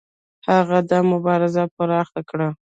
هغه دا مبارزه پراخه کړه.